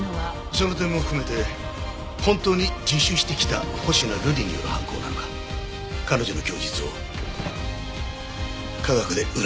その点も含めて本当に自首してきた星名瑠璃による犯行なのか彼女の供述を科学で裏付けてくれ。